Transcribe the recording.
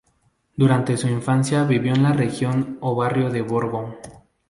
Durante su infancia vivió en la región o barrio de Borgo.